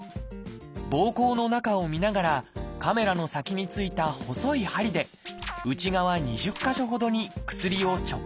ぼうこうの中を見ながらカメラの先についた細い針で内側２０か所ほどに薬を直接注射します。